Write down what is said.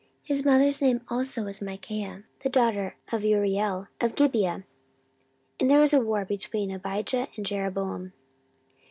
His mother's name also was Michaiah the daughter of Uriel of Gibeah. And there was war between Abijah and Jeroboam.